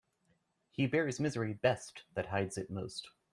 He bears misery best that hides it most.